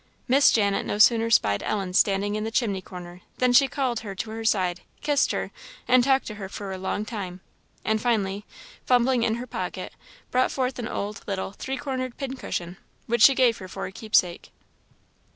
Miss Janet no sooner spied Ellen standing in the chimney corner, than she called her to her side, kissed her, and talked to her a long time, and finally, fumbling in her pocket, brought forth an old, little, three cornered pin cushion, which she gave her for a keepsake.